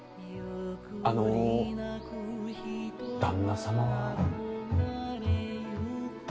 あの旦那様は？